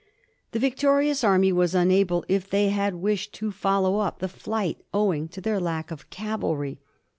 The victorious army were unable, if they had wished, to follow up the flight, owing to their lack of cavalry.